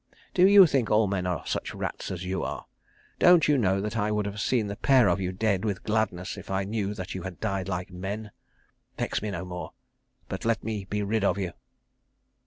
Do you think all men are such rats as you are? Don't you know that I would have seen the pair of you dead with gladness if I knew that you had died like men? Vex me no more, but let me be rid of you."